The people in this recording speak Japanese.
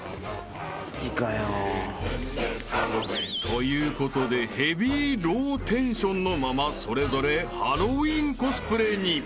［ということでヘビーローテンションのままそれぞれハロウィンコスプレに］